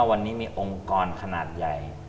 วันนี้มีองค์กรขนาดใหญ่